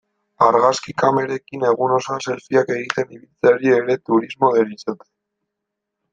Argazki kamerekin egun osoa selfieak egiten ibiltzeari ere turismo deritzote.